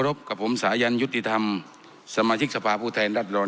บกับผมสายันยุติธรรมสมาชิกสภาพผู้แทนรัศดร